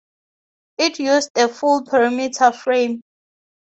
It used a full perimeter frame.